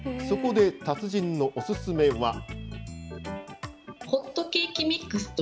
そこで達人のお勧めは。